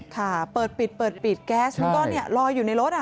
ค่ะเปิดปิดแก๊สมันก็รออยู่ในรถ